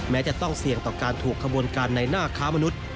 แม้จะต้องเสี่ยงต่อการถูกขบวนการในหน้าค้ามนุษย์